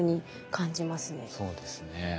そうですね。